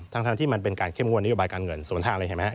ทั้งที่มันเป็นการเข้มกวนนิยพฤบายการเงินสุดทางเลยเห็นไหมครับ